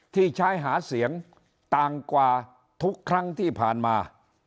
ที่ใช้หาเสียงต่างกว่าทุกครั้งที่ผ่านมา